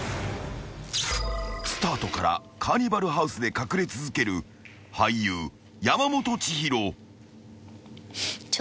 ［スタートからカーニバルハウスで隠れ続ける俳優山本千尋］